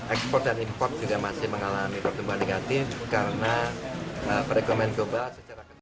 ekspor dan import juga masih mengalami pertumbuhan negatif karena perekonomian global secara ketat